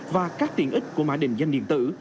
và các tiện ích của mã định danh điện tử